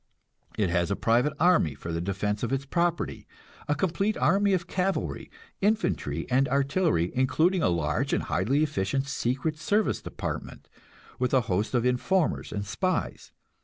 It has a private army for the defense of its property a complete army of cavalry, infantry and artillery, including a large and highly efficient secret service department, with a host of informers and spies.